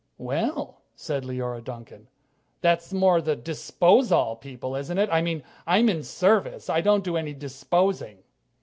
"Well," said Leora Duncan, "that's more the disposal people, isn't it? I mean, I'm in service. I don't do any disposing."